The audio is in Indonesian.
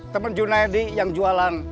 teman junaidi yang jualan